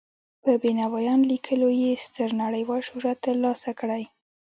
په بینوایان لیکلو یې ستر نړیوال شهرت تر لاسه کړی.